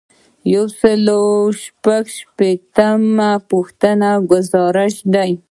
یو سل او شپږ شپیتمه پوښتنه ګزارش دی.